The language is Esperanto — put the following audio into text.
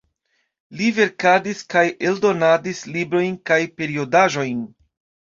Li verkadis kaj eldonadis librojn kaj periodaĵojn.